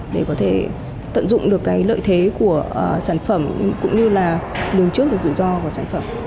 để có thể tận dụng được lợi thế của sản phẩm cũng như là đường trước rủi ro của sản phẩm